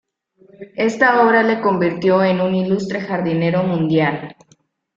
Esta obra le convirtió en un ilustre jardinero mundial.